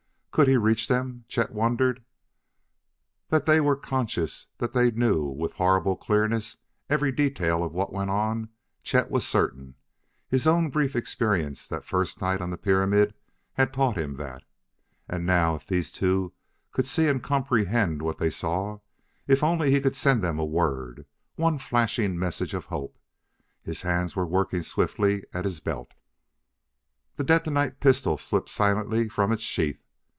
Could he reach them? Chet wondered. That they were conscious, that they knew with horrible clearness every detail of what went on, Chet was certain: his own brief experience that first night on the pyramid had taught him that. And now if these two could see and comprehend what they saw: if only he could send them a word one flashing message of hope! His hands were working swiftly at his belt. The detonite pistol slipped silently from its sheath.